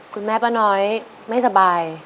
คุณแม่ป้าน้อยไม่สบาย